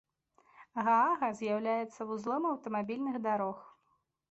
Гаага з'яўляецца вузлом аўтамабільных дарог.